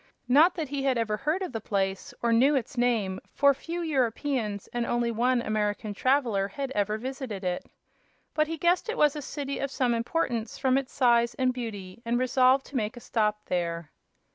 Not that he had ever heard of the place, or knew its name; for few Europeans and only one American traveler had ever visited it. But he guessed it was a city of some importance from its size and beauty, and resolved to make a stop there.